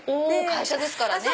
会社ですからね。